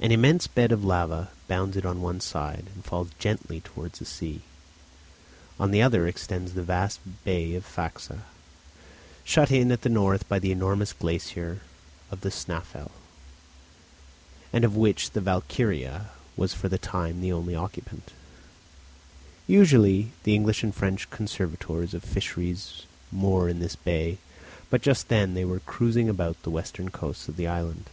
An immense bed of lava bounds it on one side, and falls gently towards the sea. On the other extends the vast bay of Faxa, shut in at the north by the enormous glacier of the Snæfell, and of which the Valkyria was for the time the only occupant. Usually the English and French conservators of fisheries moor in this bay, but just then they were cruising about the western coasts of the island.